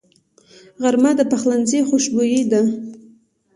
غرمه د پخلنځي خوشبويي ده